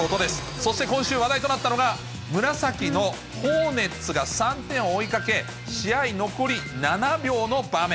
そして今週話題となったのが、紫のホーネッツが３点を追いかけ、試合残り７秒の場面。